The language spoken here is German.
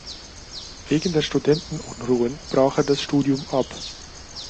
Wegen der Studentenunruhen brach er das Studium ab.